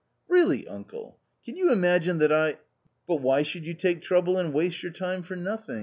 " Really, uncle, can you imagine that I "" But why should you take trouble and waste your time for nothing